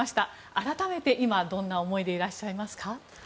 改めて、今、どんな思いでいらっしゃいますか？